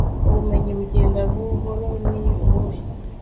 Ubumenyi bugenda buhoro ni ubuhe